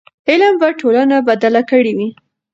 علم به ټولنه بدله کړې وي.